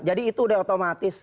jadi itu sudah otomatis